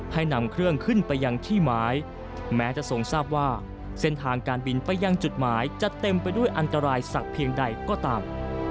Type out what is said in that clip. ให้นำเครื่องขึ้นไปยังที่หมายแม้จะทรงทราบว่าเส้นทางการบินไปยังจุดหมายจะเต็มไปด้วยอันตรายสักเพียงใดก็ตาม